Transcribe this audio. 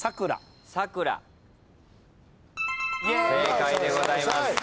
正解でございます。